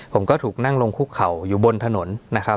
ผมก็ถูกนั่งลงคุกเข่าอยู่บนถนนนะครับ